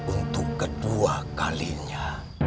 untuk kedua kalinya